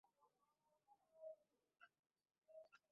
এখানে নতুন খাল খনন করে জলাবদ্ধতা দূর করার আশ্বাস দেন তিনি।